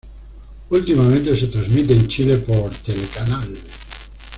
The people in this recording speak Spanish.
Últimamente se transmite en Chile por Telecanal.